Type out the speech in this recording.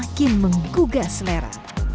bikin menggugah selera